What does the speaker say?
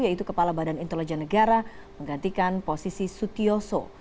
yaitu kepala badan intelijen negara menggantikan posisi sutioso